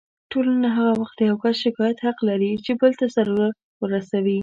ټولنه هغه وخت د يو کس شکايت حق لري چې بل ته ضرر ورسوي.